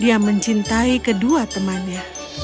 dia mencintai kedua temannya